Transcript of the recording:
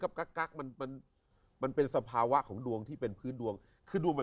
กักมันมันเป็นสภาวะของดวงที่เป็นพื้นดวงคือดวงแบบ